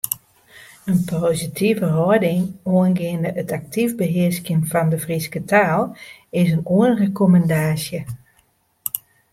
In positive hâlding oangeande it aktyf behearskjen fan de Fryske taal is in oanrekommandaasje.